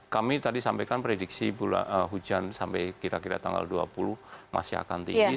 kami tadi sampaikan prediksi hujan sampai kira kira tanggal dua puluh masih akan tinggi